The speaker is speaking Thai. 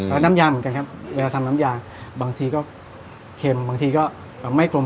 แล้วน้ำยาเหมือนกันครับเวลาทำน้ำยาบางทีก็เค็มบางทีก็ไม่กลม